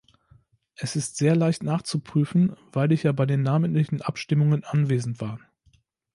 Es ist sehr leicht nachzuprüfen, weil ich ja bei den namentlichen Abstimmungen anwesend war.